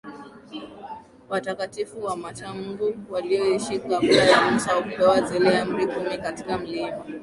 Watakatifu na wacha Mungu walioishi kabla ya Musa kupewa zile Amri kumi katika Mlima